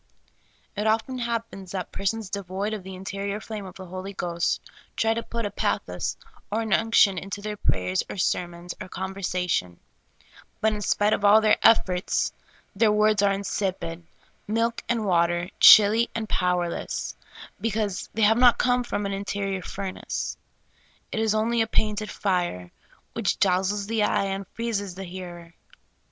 It often happens that persons devoid of the interior flame of the Holy Ghost try to put a pathos or an LOADED WORDS. 1 7 uuction into their prayers or sermons or conversation ; but in spite of all their eiforts, their words are insipid^ milk and water, chilly and powerless, because they have not come from an interior furnace. It is only a painted fire, which dazzles the eye and freezes the hearer.